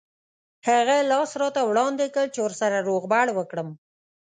هغه لاس راته وړاندې کړ چې ورسره روغبړ وکړم.